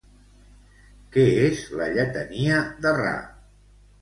Què és la lletania de Ra?